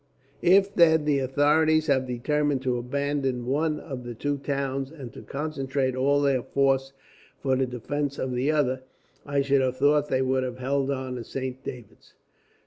If, then, the authorities have determined to abandon one of the two towns, and to concentrate all their force for the defence of the other, I should have thought they would have held on to Saint David's.